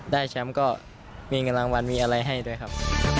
ได้แชมป์ก็มีเงินรางวัลมีอะไรให้ด้วยครับ